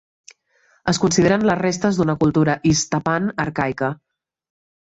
Es consideren les restes d'una cultura Iztapan arcaica.